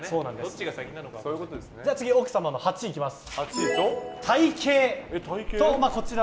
次、奥様の８位いきます。